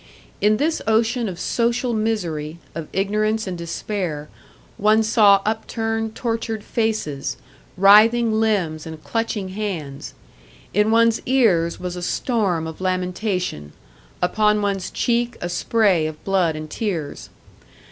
In this ocean of social misery, of ignorance and despair, one saw upturned, tortured faces, writhing limbs and clutching hands; in one's ears was a storm of lamentation, upon one's cheek a spray of blood and tears.